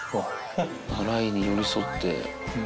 雷に寄り添って。